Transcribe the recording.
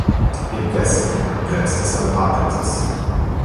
Im Westen grenzt es an Arkansas.